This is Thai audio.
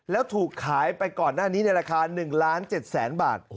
แล้วถูกขายไปก่อนหน้านี้ในราคา๑ล้าน๗แสนบาท